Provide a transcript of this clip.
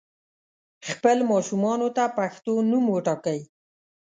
خپل ماشومانو ته پښتو نوم وټاکئ